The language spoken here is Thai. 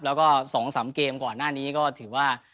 แล้วก็๒๓เกมก่อนหน้านี้ก็ถือว่า